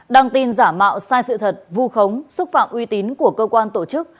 đăng tin giả mạo sai sự thật vu khống xúc phạm uy tín của cơ quan tổ chức